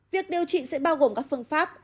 việc điều trị sẽ bao gồm các phương pháp